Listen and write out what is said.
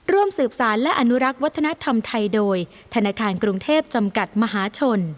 ร่วมสืบสารและอนุรักษ์วัฒนธรรมไทยโดยธนาคารกรุงเทพจำกัดมหาชน